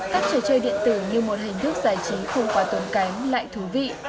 các trò chơi điện tử như một hình thức giải trí không quá tồn cánh lại thú vị